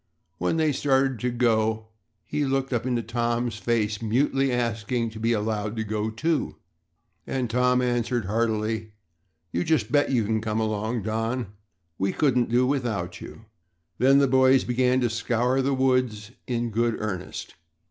When they started to go he looked up into Tom's face, mutely asking to be allowed to go too. And Tom answered heartily, "You just bet you can come along, Don. We couldn't do without you." Then the boys began to scour the woods in good earnest.